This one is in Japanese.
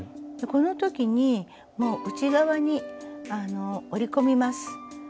この時にもう内側に折り込みます。